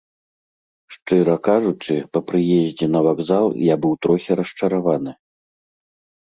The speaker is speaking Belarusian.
Шчыра кажучы, па прыездзе на вакзал я быў трохі расчараваны.